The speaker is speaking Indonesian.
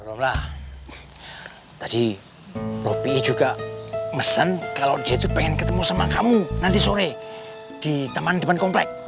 dara omrah tadi prof pi juga mesen kalau dia tuh pengen ketemu sama kamu nanti sore di taman depan komplek